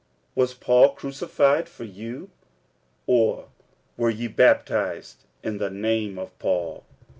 was Paul crucified for you? or were ye baptized in the name of Paul?